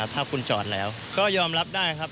ถ้าคุณจอดแล้วก็ยอมรับได้ครับ